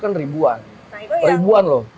kan ribuan ribuan loh